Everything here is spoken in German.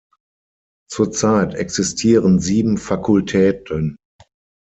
Zurzeit existieren sieben Fakultäten.